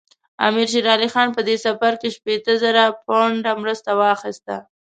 امیر شېر علي خان په دې سفر کې شپېته زره پونډه مرسته واخیسته.